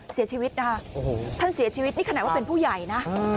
เสียชีวิตนะคะท่านเสียชีวิตนี่ขนาดว่าเป็นผู้ใหญ่นะ